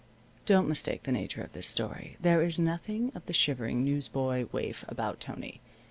Don't mistake the nature of this story. There is nothing of the shivering newsboy waif about Tony.